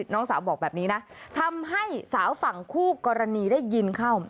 น้องสาวบอกแบบนี้นะทำให้สาวฝั่งคู่กรณีได้ยินเข้า